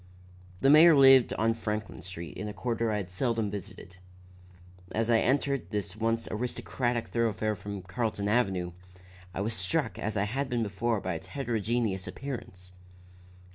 The mayor lived on Franklin Street in a quarter I had seldom visited. As I entered this once aristocratic thoroughfare from Carlton Avenue, I was struck as I had been before by its heterogeneous appearance.